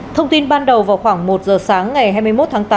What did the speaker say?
thông tin ban đầu vào khoảng một giờ sáng ngày hai mươi một tháng tám